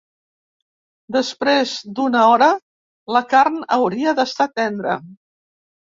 Després d’una hora, la carn hauria d’estar tendra.